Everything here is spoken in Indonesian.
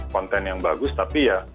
konten yang bagus tapi ya